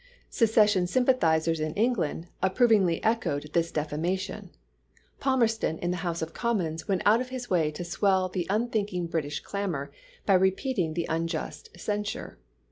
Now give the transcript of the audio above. Secession sympathizers in England ap provingly echoed this defamation ; Palmerston in the House of Commons went out of his way to swell the unthinking British clamor by repeating the un just censure.